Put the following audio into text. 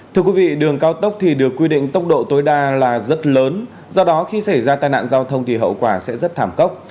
thưa quý vị đường cao tốc thì được quy định tốc độ tối đa là rất lớn do đó khi xảy ra tai nạn giao thông thì hậu quả sẽ rất thảm cốc